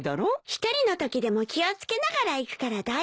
１人のときでも気を付けながら行くから大丈夫。